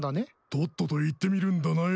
とっとと言ってみるんだなよ。